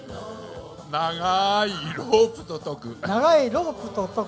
長ーいロープと解く。